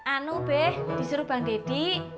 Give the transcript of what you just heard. anu beh disuruh bang deddy